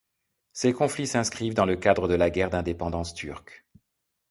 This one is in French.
Ces conflits s'inscrivent dans le cadre de la guerre d’indépendance turque.